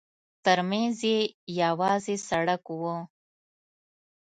ترمنځ یې یوازې سړک و.